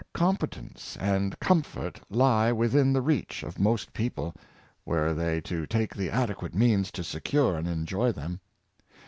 Competence and comfort lie within the reach of most people, were they to take the adequate means to secure and enjoy them.